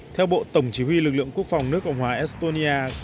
theo bộ tổng chỉ huy lực lượng quốc phòng nước cộng hòa estonia